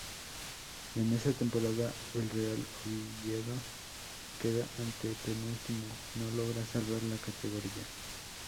En esa temporada, el Real Oviedo queda antepenúltimo y no logra salvar la categoría.